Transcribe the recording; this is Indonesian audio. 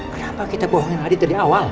kenapa kita bohongin tadi dari awal